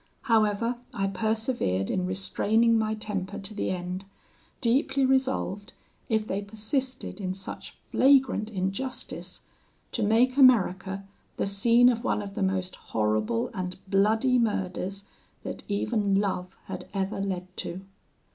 However, I persevered in restraining my temper to the end; deeply resolved, if they persisted in such flagrant injustice, to make America the scene of one of the most horrible and bloody murders that even love had ever led to.